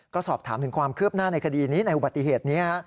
ก็สอบถามถึงความคืบหน้าในคดีนี้ในอุบัติเหตุนี้